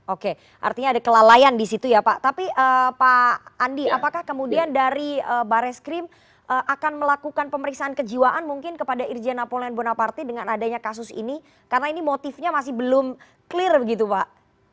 oke artinya ada kelalaian di situ ya pak tapi pak andi apakah kemudian dari bareskrim akan melakukan pemeriksaan kejiwaan mungkin kepada irjen napoleon bonaparti dengan adanya kasus ini karena ini motifnya masih belum clear begitu pak